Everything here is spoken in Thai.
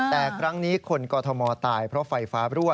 แต่ครั้งนี้คนกอทมตายเพราะไฟฟ้ารั่ว